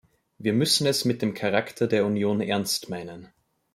Wir müssen es mit dem Charakter der Union ernst meinen.